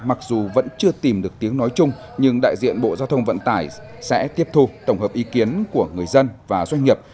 mặc dù vẫn chưa tìm được tiếng nói chung nhưng đại diện bộ giao thông vận tải sẽ tiếp thu tổng hợp ý kiến của người dân và doanh nghiệp